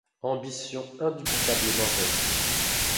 Ambition indubitablement vaine.